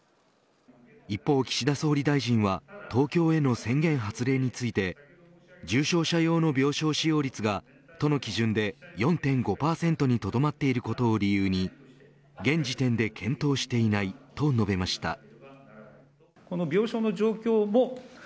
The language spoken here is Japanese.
一方、岸田総理大臣は東京への宣言発令について重症者用の病床使用率が都の基準で４．５％にとどまっていることを理由に現時点で検討していないと述べました。